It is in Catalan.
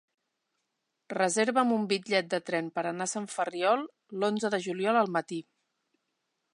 Reserva'm un bitllet de tren per anar a Sant Ferriol l'onze de juliol al matí.